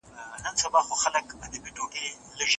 زېری زېری مي درباندي له هیلمند تر اباسینه